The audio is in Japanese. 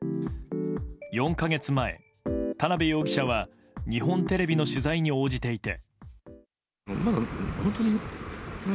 ４か月前、田辺容疑者は日本テレビの取材に応じていて。